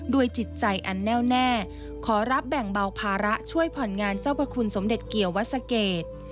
จิตใจอันแน่วแน่ขอรับแบ่งเบาภาระช่วยผ่อนงานเจ้าพระคุณสมเด็จเกี่ยววัสเกต